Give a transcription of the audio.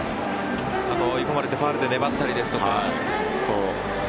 あと追い込まれてファウルで粘ったりですとか。